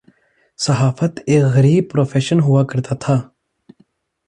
صحافت ایک غریب پروفیشن ہوا کرتاتھا۔